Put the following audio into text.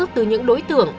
từ những đối tượng